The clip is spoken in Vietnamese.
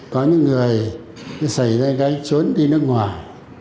có những người xảy ra gãi trốn đi nước ngoài